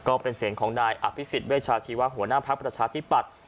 ก็เป็นเสียงของนายอภิษฎเวชาชีวะหัวหน้าภักดิ์ประชาธิปัตย์